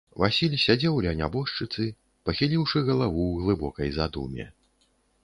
Васіль сядзеў ля нябожчыцы, пахіліўшы галаву ў глыбокай задуме.